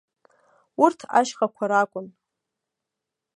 Урҭ ашьхақәа ракәын.